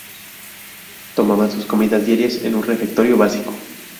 Tomaban sus comidas diarias en un refectorio básico.